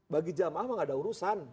bagi jamaah mah nggak ada urusan